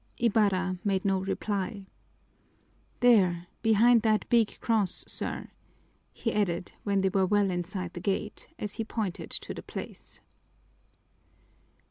Ibarra made no reply. "There behind that big cross, sir," he added when they were well inside the gate, as he pointed to the place.